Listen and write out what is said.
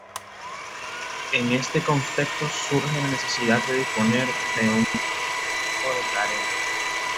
En este contexto surge la necesidad de disponer de un dique seco de carena.